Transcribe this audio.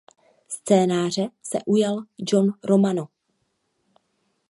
Scénáře se ujal John Romano.